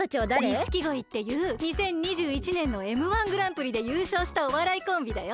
錦鯉っていう２０２１ねんのＭ−１グランプリでゆうしょうしたおわらいコンビだよ。